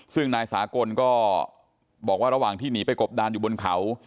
ซึ่งนายสากลก็บอกว่าระหว่างที่หนีไปกบดานอยู่บนเขา